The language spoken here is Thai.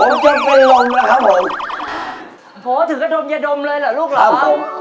โอ้โหถึงกระดมเย็ดดมเลยเหรอลูกหลอก